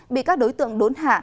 bị các đối tượng đốn hạ